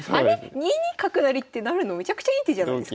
２二角成って成るのめちゃくちゃいい手じゃないですか。